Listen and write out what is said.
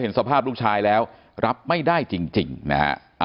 สภาพลูกชายแล้วรับไม่ได้จริงนะฮะ